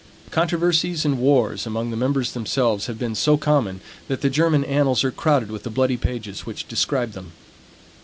Controversies and wars among the members themselves have been so common, that the German annals are crowded with the bloody pages which describe them.